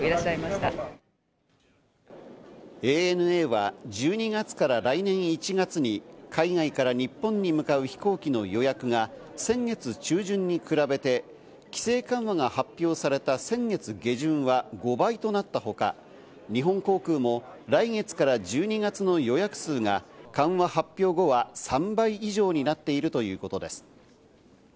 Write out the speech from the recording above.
ＡＮＡは１２月から来年１月に海外から日本に向かう飛行機の予約が先月中旬に比べて規制緩和が発表された先月下旬は５倍となったほか、日本航空も来月から１２月の予約数が緩和発表後は３倍以上になっているということです。